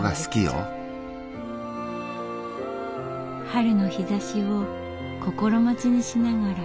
春の日ざしを心待ちにしながら。